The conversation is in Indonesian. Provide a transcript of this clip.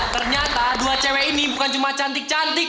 ternyata dua cewek ini bukan cuma cantik cantik